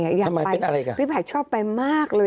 ทำไงเป็นอะไรก่อนส่วนกล้องปิยะไปสิพี่ภัยชอบไปมากเลย